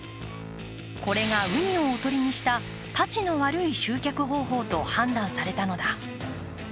これが、うにをおとりにしたたちの悪い集客方法と判断されたのだ。